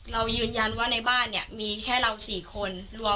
เรายืนยันว่าในบ้านเนี่ยมีแค่เรา๔คน